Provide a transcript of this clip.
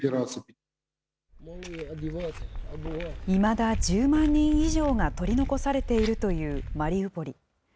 いまだ１０万人以上が取り残されているというマリウポリ。